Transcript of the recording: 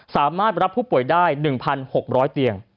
สามารถรับผู้ป่วยได้๑๖๐๐เตียง